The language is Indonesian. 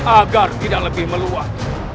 agar tidak lebih meluat